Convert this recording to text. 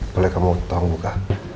boleh kamu tolong buka